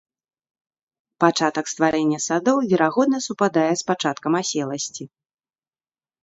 Пачатак стварэння садоў, верагодна, супадае з пачаткам аселасці.